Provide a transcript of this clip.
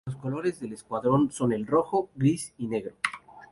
Los colores del escuadrón son el rojo, gris y negro.